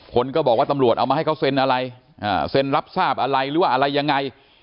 คนก็บอกว่าตำรวจเอามาให้เขาเซ็นอะไรเซ็นรับทราบอะไรหรือว่าอะไรยังไง